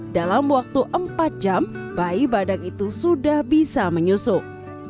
dalam waktu empat jam bayi badak itu sudah bisa menyusup